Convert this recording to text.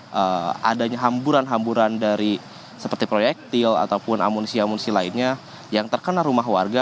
adanya hamburan hamburan dari seperti proyektil ataupun amunisi amunisi lainnya yang terkena rumah warga